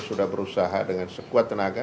sudah berusaha dengan sekuat tenaga